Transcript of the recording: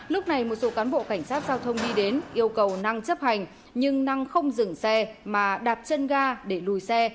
lúc này một số cán bộ cảnh sát giao thông đi đến yêu cầu năng chấp hành nhưng năng không dừng xe mà đạp chân ga để lùi xe